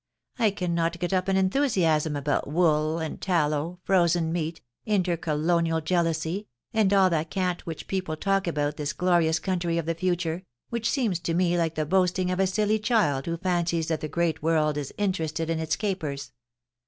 ... I cannot get up an enthusiasm about wool, and tallow, frozen meat, intercolonial jealousy, and all that cant which people talk about this glorious country^ of the future, which seems to me like the boasting of a silly child who fancies that the great world is interested in its capers.